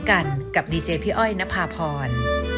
กันกับดีเจพี่อ้อยนภาพร